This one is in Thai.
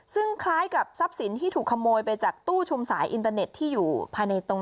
ซึ่งคล้ายกับทรัพย์สินที่ถูกขโมยไปจากตู้ชมสายอินเตอร์เน็ตที่อยู่ภายในตรง